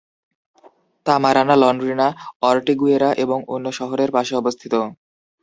তামারানা লন্ড্রিনা, অর্টিগুয়েরা এবং অন্যান্য শহরের পাশে অবস্থিত।